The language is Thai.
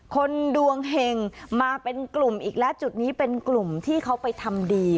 คนดวงเห็งมาเป็นกลุ่มอีกแล้วจุดนี้เป็นกลุ่มที่เขาไปทำดี